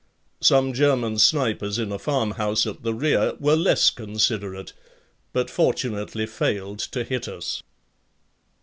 Some German snipers in a farmhouse at the rear were less considerate, but fortunately failed to hit us.